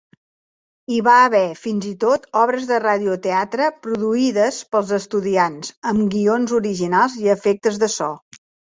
Hi va haver fins i tot obres de radioteatre produïdes pels estudiants, amb guions originals i efectes de so.